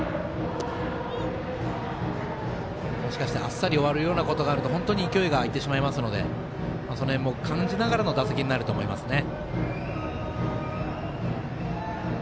もしかしたら、あっさり終わるようなことがあると本当に勢いがいってしまいますのでその辺も感じながらの打席になると思いますね。